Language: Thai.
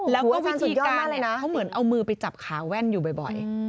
แล้วก็วิธีการนะเขาเหมือนเอามือไปจับขาแว่นอยู่บ่อย